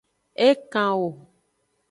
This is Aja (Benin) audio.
E kan wo.